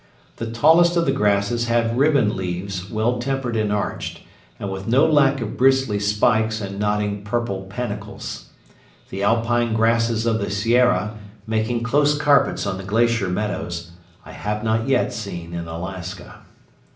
The tallest of the grasses have ribbon leaves well tempered and arched, and with no lack of bristly spikes and nodding purple panicles. The alpine grasses of the Sierra, making close carpets on the glacier meadows, I have not yet seen in Alaska.